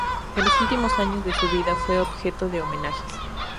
En los últimos años de su vida fue objeto de homenajes.